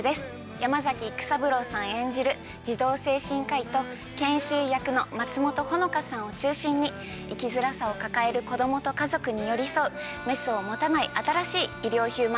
山崎育三郎さん演じる児童精神科医と研修医役の松本穂香さんを中心に生きづらさを抱える子どもと家族に寄り添うメスを持たない新しい医療ヒューマンドラマとなっています。